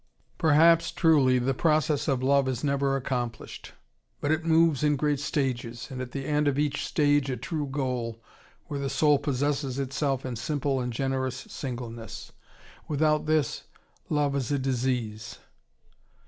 Perhaps, truly, the process of love is never accomplished. But it moves in great stages, and at the end of each stage a true goal, where the soul possesses itself in simple and generous singleness. Without this, love is a disease.